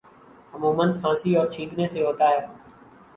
عموماً کھانسی اور چھینکنے سے ہوتا ہے